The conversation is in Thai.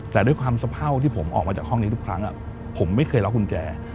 แต่ด้วยความสะเผ่าที่ผมออกมาจากห้องนี้ทุกครั้งผมไม่เคยล็อกกุญแจ